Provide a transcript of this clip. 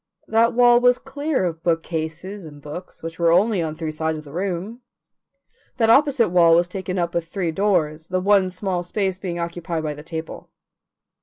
That wall was clear of bookcases and books, which were only on three sides of the room. That opposite wall was taken up with three doors, the one small space being occupied by the table.